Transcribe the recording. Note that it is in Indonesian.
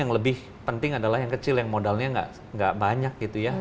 yang lebih penting adalah yang kecil yang modalnya nggak banyak gitu ya